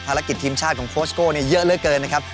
ภารกิจทีมชาติของโค้ชโก้เยอะเหลือเกินนะครับ